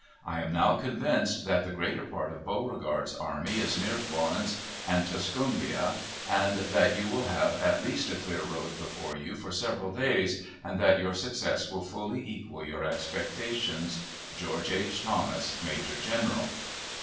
I am now convinced that the greater part of Beauregard's army is near Florence and Tuscumbia, and that you will have at least a clear road before you for several days, and that your success will fully equal your expectations. George H. THOMAS, Major General.